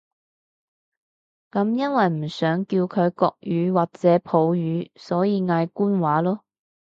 噉因為唔想叫佢國語或者普語，所以嗌官話囉